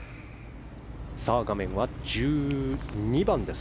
画面は１２番です。